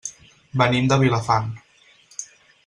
Venim de Vilafant.